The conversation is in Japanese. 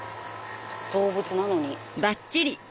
動物なのに。